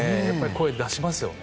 声を出しますよね。